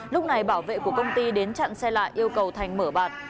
lúc này bảo vệ của công ty đến chặn xe lại yêu cầu thành mở bạt